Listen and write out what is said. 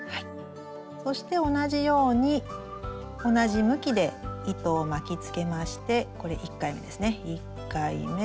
そして同じように同じ向きで糸を巻きつけましてこれ１回目ですね